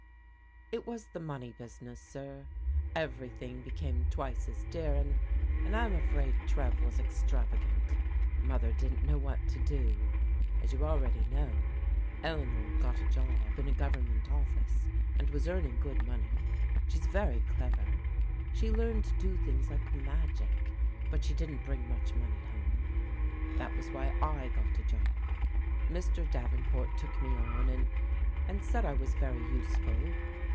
" It was the money business, sir. Ever3rthing became twice as dear and — and I'm afraid Trev was extrava gant. Mother didn't know what to do. As you already know, Eleanor got a job in a Government office, and was earning good money. She's very clever. She learned to do things like magic; but she didn't bring much money home. That was why / got a job. Mr. Davenport took me on, and — ^and said I was very useful.